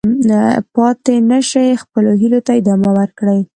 پاتې نه شئ، خپلو هیلو ته ادامه ورکړئ.